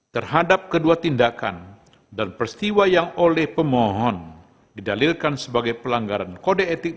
terhadap kedua tindakan dan peristiwa yang oleh pemohon didalilkan sebagai pelanggaran kode etik